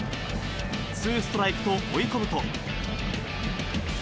ツーストライクと追い込むと。